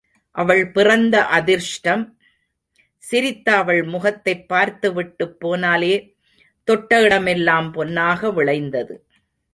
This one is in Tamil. அவள் பிறந்த அதிருஷ்டம் சிரித்த அவள் முகத்தைப் பார்த்துவிட்டுப் போனாலே தொட்ட இடம் எல்லாம் பொன்னாக விளைந்தது.